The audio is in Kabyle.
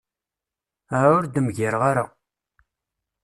Ah! ur d-mgireɣ ara.